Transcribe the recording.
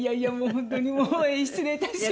本当にもう失礼いたしました。